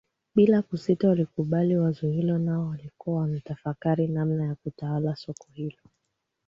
Bila kusita walikubali wazo hilo nao walikuwa wanatafakari namna ya kutawala soko hilo